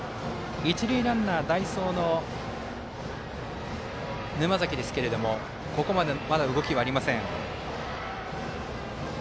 一塁ランナー、代走の沼崎ですけれども、ここまでまだ動きはありません。